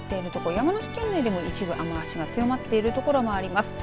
山梨県内でも一部、雨足が強まっている所があります。